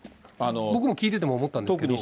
僕も聞いてても思ったんですけど。